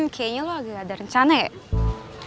kayaknya lo agak ada rencana ya